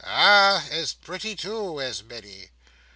Ah! as pretty too, as many!